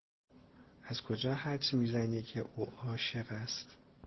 از کجا حدس میزنی که او عاشق است؟